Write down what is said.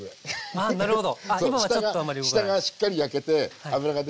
あなるほど。